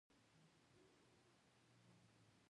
غلط تلفظ مه کوی